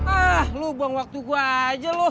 ah lu buang waktu gue aja loh